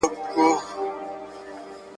نور زلمي به وي راغلي د زاړه ساقي تر کلي `